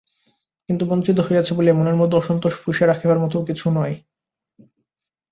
কিন্ত বঞ্চিত হইয়াছে বলিয়া মনের মধ্যে অসন্তোষ পুষিয়া রাখিবার মতোও কিছু নয়।